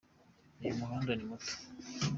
uyu muhanda ni muto.